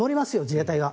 自衛隊が。